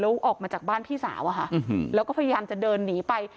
แล้วออกมาจากบ้านพี่สาวอะค่ะแล้วก็พยายามจะเดินหนีไป